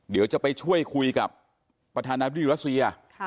เดี๋ยวจะไปช่วยคุยกับประธานาธิบดีรัสเซีย